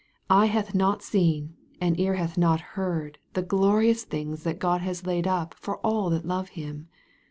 Eye hath not seen, and ear hath not heard the glorious things that God has laid up for all that love Him.